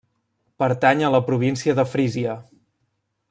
Pertany a la província de Frísia.